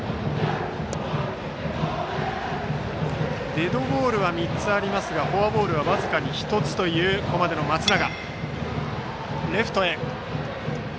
デッドボールは３つありますがフォアボールは僅かに１つというここまでの松永。